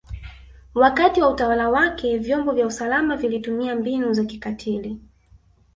Wakati wa utawala wake vyombo vya usalama vilitumia mbinu za kikatili